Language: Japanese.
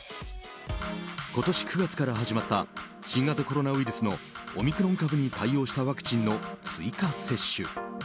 今年９月から始まった新型コロナウイルスのオミクロン株に対応したワクチンの追加接種。